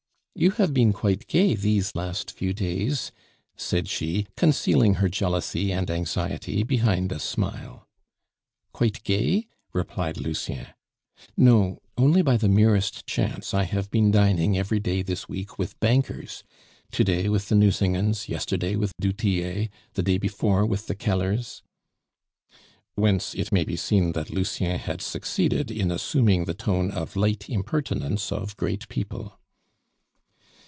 "You have been quite gay these last few days," said she, concealing her jealousy and anxiety behind a smile. "Quite gay?" replied Lucien. "No only by the merest chance I have been dining every day this week with bankers; to day with the Nucingens, yesterday with du Tillet, the day before with the Kellers " Whence, it may be seen, that Lucien had succeeded in assuming the tone of light impertinence of great people.